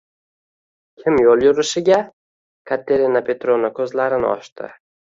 Kim yoʻl yurishiga? – Katerina Petrovna koʻzlarini ochdi.